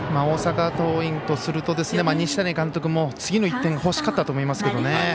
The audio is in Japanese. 大阪桐蔭とすると西谷監督も次の１点欲しかったと思いますけどね。